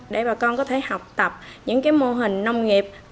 để bà con có thể học tập những mô hình nông nghiệp